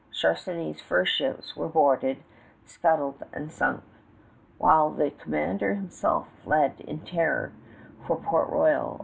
Charnisay's fur ships were boarded, scuttled, and sunk, while the commander himself fled in terror for Port Royal.